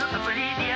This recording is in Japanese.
「ディア